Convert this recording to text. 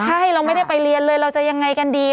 ใช่เราไม่ได้ไปเรียนเลยเราจะยังไงกันดี